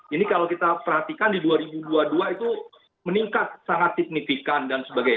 ini kalau kita perhatikan di dua ribu dua puluh dua itu meningkat sangat signifikan dan sebagainya